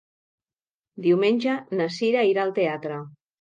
Diumenge na Cira irà al teatre.